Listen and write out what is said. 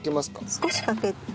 少しかけて。